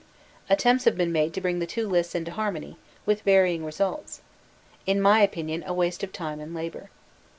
jpg TABLE] Attempts have been made to bring the two lists* into harmony, with varying results; in my opinion, a waste of time and labour.